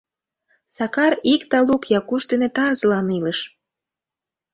Сакар ик талук Якуш дене тарзылан илыш.